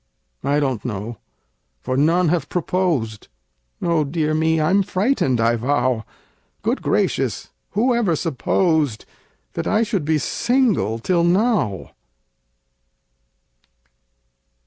I don't know for none have proposed Oh, dear me! I'm frightened, I vow! Good gracious! who ever supposed That I should be single till now?